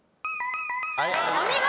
お見事！